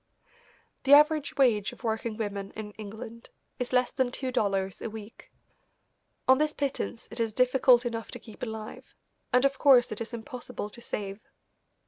The average wage of working women in England is less than two dollars a week. On this pittance it is difficult enough to keep alive, and of course it is impossible to save.